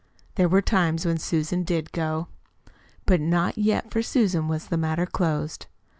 There were times when Susan did go. But not yet for Susan was the matter closed.